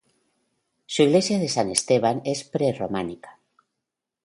Su iglesia de San Esteban es prerrománica.